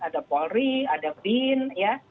ada polri ada bin ya